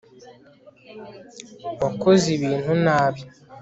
Wakoze ibintu nabi